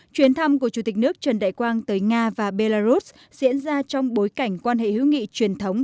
chuyến thăm của chủ tịch nước trần đại quang tới nga và belarus diễn ra trong bối cảnh quan hệ hữu nghị truyền thống